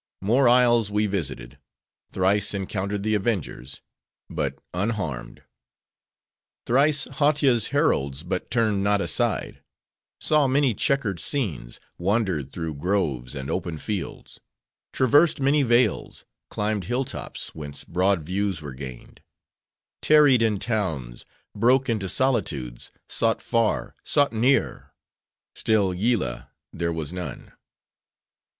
More isles we visited:—thrice encountered the avengers: but unharmed; thrice Hautia's heralds but turned not aside;—saw many checkered scenes—wandered through groves, and open fields—traversed many vales—climbed hill tops whence broad views were gained—tarried in towns—broke into solitudes—sought far, sought near:—Still Yillah there was none.